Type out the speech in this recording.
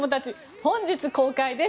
本日公開です。